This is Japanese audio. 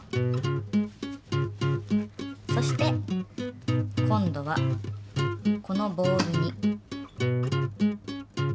そして今度はこのボールに。